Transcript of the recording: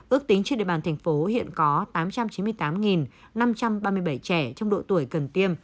ước tính trên địa bàn thành phố hiện có tám trăm chín mươi tám năm trăm ba mươi bảy trẻ trong độ tuổi cần tiêm